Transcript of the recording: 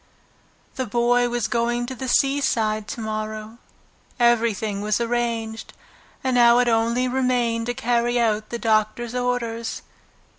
The Boy was going to the seaside to morrow. Everything was arranged, and now it only remained to carry out the doctor's orders.